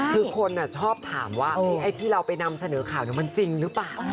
คือคนเนี่ยชอบถามว่าอันนี้อยากไปนำเสนอข่าวมันจริงหรือเปล่ะ